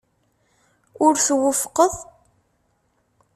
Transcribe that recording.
Ur twufqeḍ?